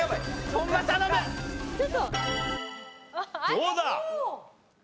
どうだ？